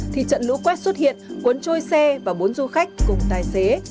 thì trận lũ quét xuất hiện cuốn trôi xe và bốn du khách cùng tài xế